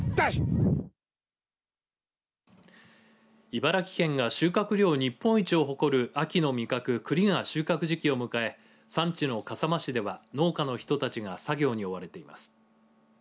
茨城県が収穫量日本一を誇る秋の味覚くりが収穫時期を迎え産地の笠間市では農家の人たちが作業に追われています。